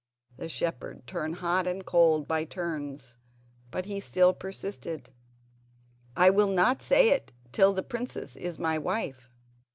The shepherd turned hot and cold by turns, but he still persisted: "I will not say it till the princess is my wife."